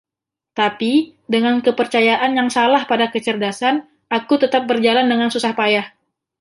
Tapi, dengan kepercayaan yang salah pada kecerdasan, aku tetap berjalan dengan susah payah.